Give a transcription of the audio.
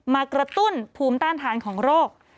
มากระตุ้นภูมิต้านทานของโรค